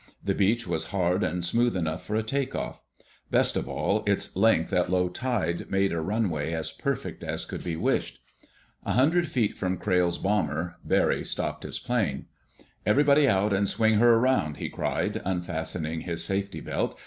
The beach was hard and smooth enough for a take off. Best of all, its length at low tide made a runway as perfect as could be wished. A hundred feet from Crayle's bomber, Barry stopped his plane. "Everybody out and swing her around!" he cried, unfastening his safety belt.